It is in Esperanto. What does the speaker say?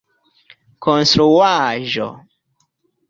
konstruaĵo